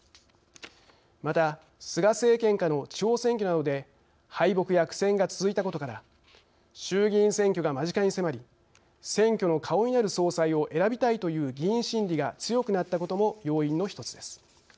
また、菅政権下の地方選挙などで敗北や苦戦が続いたことから衆議院選挙が間近に迫り「選挙の顔」になる総裁を選びたいという議員心理が強くなったことも要因の１つです。